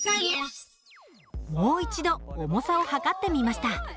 もう一度重さを量ってみました。